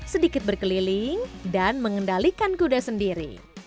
sedikit berkeliling dan mengendalikan kuda sendiri